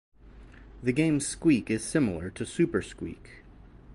The game "Skweek" is similar to Super Skweek.